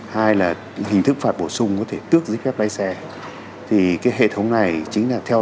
hai là hình thức phạt bổ sung có thể tước giấy phép lái xe thì cái hệ thống này chính là theo